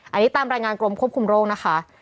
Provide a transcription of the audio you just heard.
อันนี้ตามรายงานกรมควบคุมโรคนะคะ